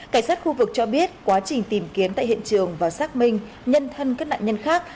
cảnh sát khu vực cho biết quá trình tìm kiếm tại hiện trường và xác minh nhân thân các nạn nhân khác